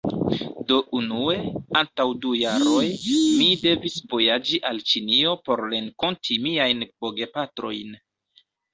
Do unue, antaŭ du jaroj, mi devis vojaĝi al Ĉinio por renkonti miajn bogepatrojn.